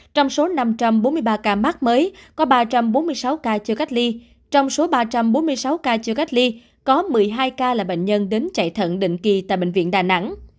trong số năm trăm bốn mươi ba ca mắc mới có ba trăm bốn mươi sáu ca chưa cách ly trong số ba trăm bốn mươi sáu ca chưa cách ly có một mươi hai ca là bệnh nhân đến chạy thận định kỳ tại bệnh viện đà nẵng